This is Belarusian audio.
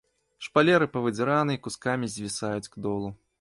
Шпалеры павыдзіраны і кускамі звісаюць к долу.